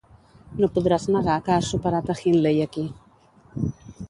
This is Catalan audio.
No podràs negar que he superat a Hindley aquí.